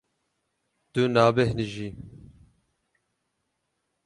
Tu nabêhnijî.